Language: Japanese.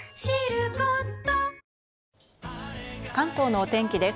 関東のお天気です。